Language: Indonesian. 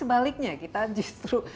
sebaliknya kita justru